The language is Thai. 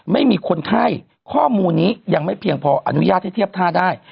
ไม่มีเป็นคนไข้ข้อมูลนี้ยังไม่เปลี่ยกแน่นอนุญาตที่เทียบท่าได้